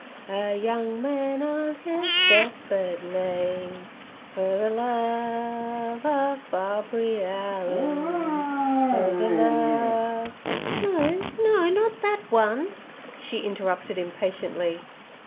A young man on his death bed lay Fer ther love ov Barbary Ellen. Fer ther love—"' 'No, no, not that one' she interrupted impatiently.